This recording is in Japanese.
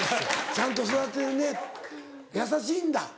「ちゃんと育ててるね優しいんだ」。